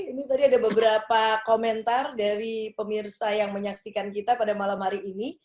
ini tadi ada beberapa komentar dari pemirsa yang menyaksikan kita pada malam hari ini